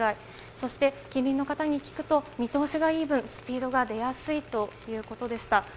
そして、近隣の方に聞くと見通しがいい分スピードが出やすいということでした。